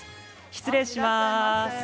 失礼します。